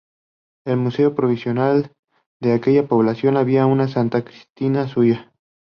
En el Museo provincial de aquella población había "Una Santa Cristina" suya.